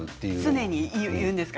常に言うんですか？